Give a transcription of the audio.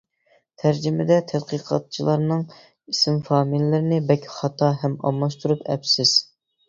تەرجىمىدە تەتقىقاتچىلارنىڭ ئېسىم فامىلىلىرىنى بەك خاتا ھەم ئالماشتۇرۇپ ئەپسىز.